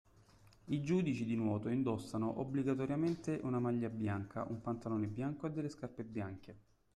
I giudici di nuoto indossano obbligatoriamente una maglia bianca, un pantalone bianco e delle scarpe bianche.